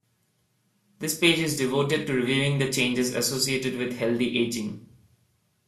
This page is devoted to reviewing the changes associated with healthy aging.